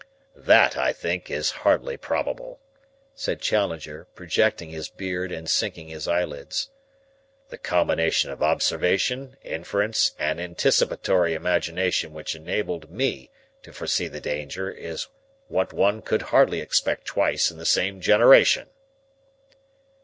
"That, I think, is hardly probable," said Challenger, projecting his beard and sinking his eyelids. "The combination of observation, inference, and anticipatory imagination which enabled me to foresee the danger is what one can hardly expect twice in the same generation."